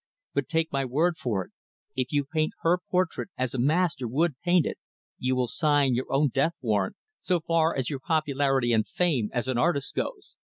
But take my word for it, if you paint her portrait as a master would paint it, you will sign your own death warrant so far as your popularity and fame as an artist goes."